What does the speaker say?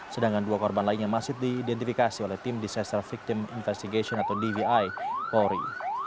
sedangkan dua korban lainnya masih diidentifikasi oleh tim disaster victim investigation atau dvi polri